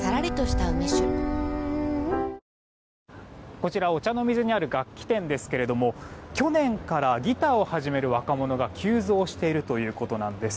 こちら御茶ノ水にある楽器店ですが去年からギターを始める若者が急増しているということです。